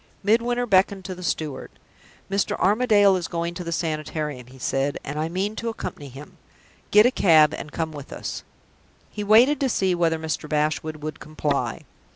Midwinter beckoned to the steward. "Mr. Armadale is going to the Sanitarium," he said, "and I mean to accompany him. Get a cab and come with us." He waited, to see whether Mr. Bashwood would comply.